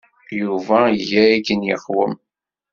Yuba iga akken yeqwem.